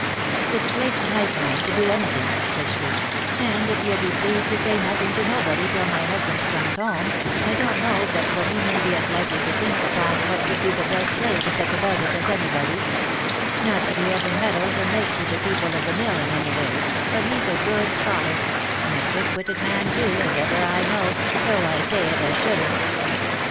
" It's late to night, ma'am, to do anything," said she, " and if you'll be pleased to say nothing to nobody till my husband comes home, I don't know 248 THE LIFE AND ADVENTURES but what he may be as likely to think upon what would be the best way to set about it as any body ; not that he ever meddles or makes with the people of the mill in any way, but he's a good schollard, and a quick witted man too, as ever I knowed, though I say it as shouldn't."